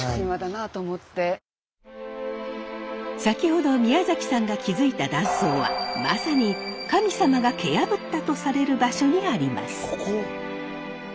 先ほど宮崎さんが気付いた断層はまさに神様が蹴破ったとされる場所にあります。